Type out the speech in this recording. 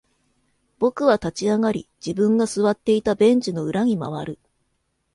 僕は立ち上がり、自分が座っていたベンチの裏に回る。